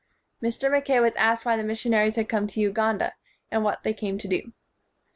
Mr. Mackay was asked why the mission aries had come to Uganda, and what they came to do.